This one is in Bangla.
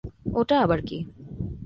ওটা আবার কি?